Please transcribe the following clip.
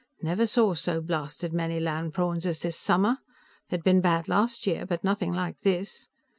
Never saw so blasted many land prawns as this summer. They'd been bad last year, but nothing like this.